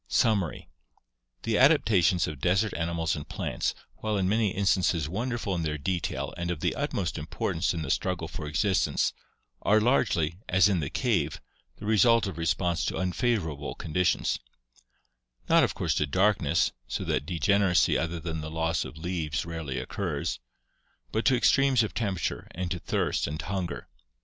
Summary The adaptations of desert animals and plants, while in many instances wonderful in their detail and of the utmost importance in the struggle for existence, are largely, as in the cave, the result of response to unfavorable conditions — not of course to darkness, so that degeneracy other than the loss of leaves rarely occurs, but to extremes of temperature and to thirst and hunger.